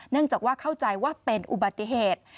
จากว่าเข้าใจว่าเป็นอุบัติเหตุ